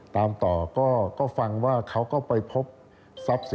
ตามต่อก็ฟังว่าเขาก็ไปพบทรัพย์สิน